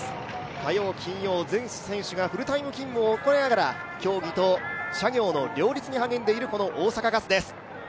火曜、金曜、全選手がフルタイム勤務を掲げながら競技と社業の両立に励んでいる大阪ガスです。